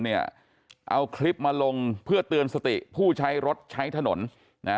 เนี่ยเอาคลิปมาลงเพื่อเตือนสติผู้ใช้รถใช้ถนนนะ